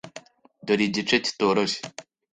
Dore igice kitoroshye.